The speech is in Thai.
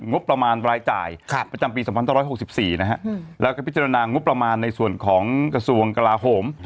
งบประมาณรายจ่ายประจำปี๒๑๖๔นะฮะแล้วก็พิจารณางบประมาณในส่วนของกระทรวงกลาโหม